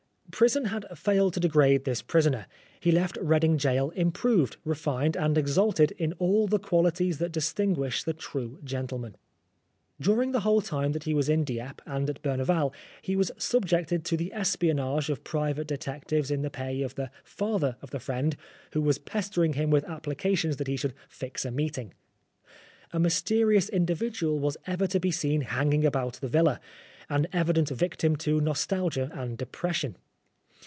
Prison had failed to degrade this prisoner. He left Reading Gaol improved, refined and exalted in all the qualities that distinguish the true gentleman. During the whole time that he was in Dieppe and at Berneval, he was subjected to the espionage of private detectives in the pay of the tather of the friend who was 244 Oscar Wilde pestering him with applications that he should fix a meeting. A mysterious in dividual was ever to be seen hanging about the villa, an evident victim to nostalgia and depression.